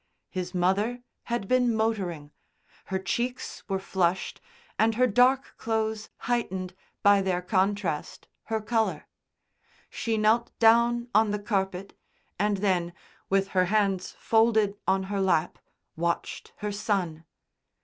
His mother had been motoring; her cheeks were flushed, and her dark clothes heightened, by their contrast, her colour. She knelt down on the carpet and then, with her hands folded on her lap, watched her son.